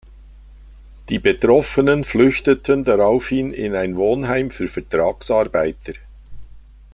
Die Betroffenen flüchteten daraufhin in ein Wohnheim für Vertragsarbeiter.